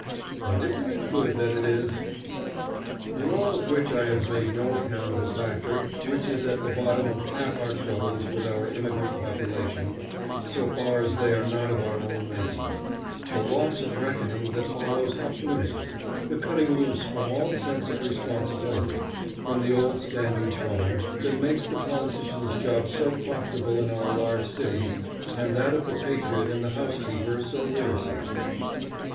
And isn't it good that it is? In all of which I have made no account of a factor which is at the bottom of half our troubles with our immigrant population, so far as they are not of our own making: the loss of reckoning that follows uprooting; the cutting loose from all sense of responsibility, with the old standards gone, that makes the politician's job so profitable in our large cities, and that of the patriot and the housekeeper so wearisome.